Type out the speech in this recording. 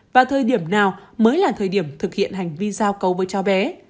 và thời điểm nào mới là thời điểm thực hiện hành vi giao cấu với cháu bé